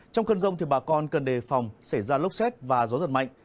trong cơn rông thì bà con cần đề phòng xảy ra lốc xét và gió giật mạnh